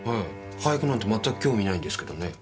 俳句なんてまったく興味ないんですけどね。